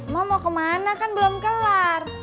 mau mau kemana kan belum kelar